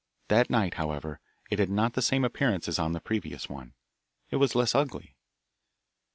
That night, however, it had not the same appearance as on the previous one; it was less ugly.